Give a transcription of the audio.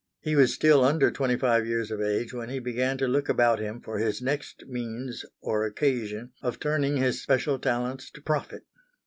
He was still under twenty five years of age when he began to look about him for his next means or occasion of turning his special talents to profit.